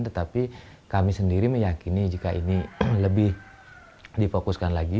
tetapi kami sendiri meyakini jika ini lebih difokuskan lagi